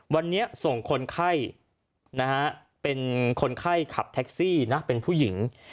วันนี้ส่งคนไข้เป็นคนไข้ขับแท็กซี่นะเป็นผู้หญิง